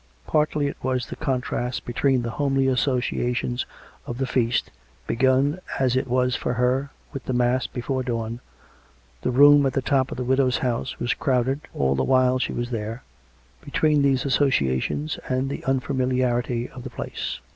Partly it was the contrast between the homely associations of the Feast, begun, as it was for her, with the mass before dawn — the room at the top of the widow's house was crowded all the while she was tliere — between these associations and the unfamiliarity of the place.